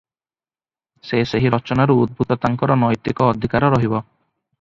ସେ ସେହି ରଚନାରୁ ଉଦ୍ଭୁତ ତାଙ୍କର ନୈତିକ ଅଧିକାର ରହିବ ।